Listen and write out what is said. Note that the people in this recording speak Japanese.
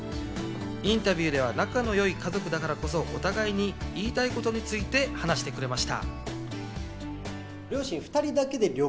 インタビューでは仲のいい家族だからこそ、お互いに言いたいことについて話してくれました。